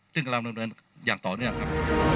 ซึ่งกำลังดำเนินอย่างต่อเนื่องครับ